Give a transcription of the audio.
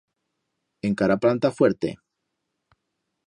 Encara planta fuerte?